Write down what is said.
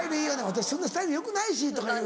「私そんなスタイルよくないし」とかいう。